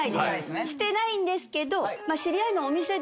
してないんですけど。